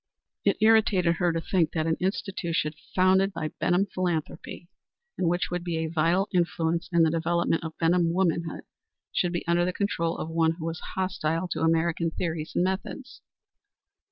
It irritated her to think that an institution founded by Benham philanthropy, and which would be a vital influence in the development of Benham womanhood, should be under the control of one who was hostile to American theories and methods.